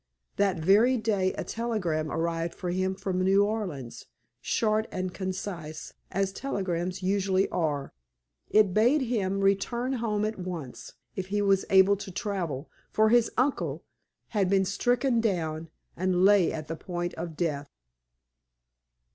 That very day a telegram arrived for him from New Orleans, short and concise, as telegrams usually are. It bade him return home at once, if he was able to travel; for his "uncle" had been stricken down, and lay at the point of death.